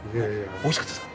おいしかったですか？